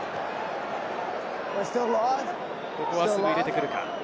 ここは、すぐ入れてくるか？